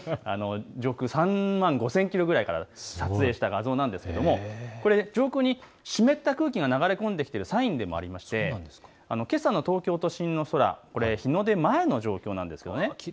上空３万５０００キロくらいから撮影した画像なんですが上空に湿った空気が流れ込んできているサインでもありましてけさの東京都心の空、日の出前の状況なんです。